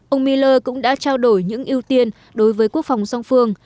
ông mueller cũng đã trao đổi những ưu tiên đối với quốc phòng song phương